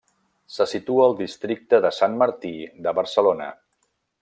Se situa al districte de Sant Martí de Barcelona.